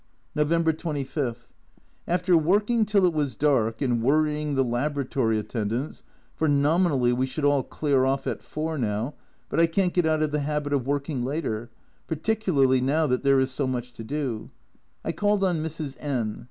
November 25. After working till it was dark, and worrying the laboratory attendants (for, nominally, we should all clear off at 4 now, but I can't get out of the habit of working later, particularly now that there is so much to do), I called on Mrs. N